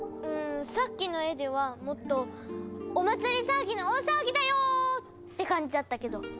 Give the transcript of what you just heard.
うんさっきの絵ではもっとお祭りさわぎの大さわぎだよ！って感じだったけど。